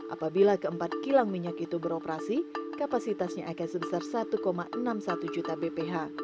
apabila keempat kilang minyak itu beroperasi kapasitasnya akan sebesar satu enam puluh satu juta bph